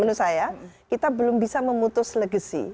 menurut saya kita belum bisa memutus legacy